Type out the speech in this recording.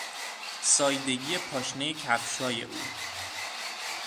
ساییدگی پاشنهی کفشهای او